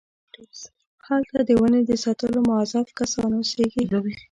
هلته د ونې د ساتلو موظف کسان اوسېږي.